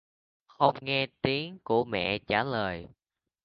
Không nghe tiếng của mẹ trả lời